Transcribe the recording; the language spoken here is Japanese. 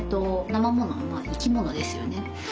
なま物生き物ですよね。